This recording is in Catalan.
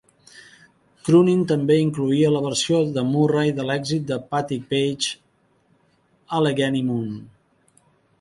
"Croonin" també incloïa la versió de Murray de l'èxit de Patti Page "Allegheny Moon".